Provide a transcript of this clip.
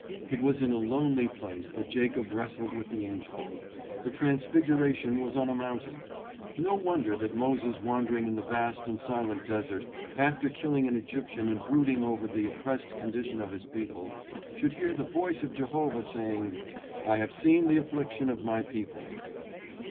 It was in a lonely place that Jacob wrestled with the angel. The Trans figuration was on a mountain. No wonder that Moses wandering in the vast and silent desert, after killing an Egyptian and brooding over the oppressed condition of his people, should hear the voice of Jehovah saying, " I have seen the affliction of my people."